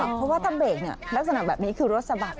เพราะว่าถ้าเบรกลักษณะแบบนี้คือรถสะบัด